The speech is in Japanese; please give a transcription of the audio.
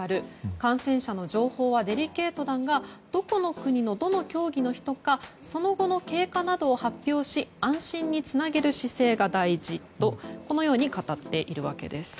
感染者の情報はデリケートだがどこの国の、どの競技の人かその後の経過などを発表し安心につなげる姿勢が大事と語っているわけです。